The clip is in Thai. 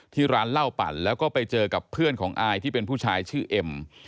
ที่ร้านเหล้าปั่นแล้วก็ไปเจอกับเพื่อนของอายที่เป็นผู้ชายชื่อเอ็ม